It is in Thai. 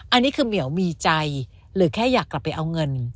อันนี้คือเหมียวมีใจหรือแค่อยากกลับไปเอาเงิน